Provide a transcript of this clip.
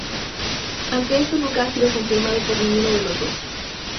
Aunque esto nunca ha sido confirmado por ninguno de los dos.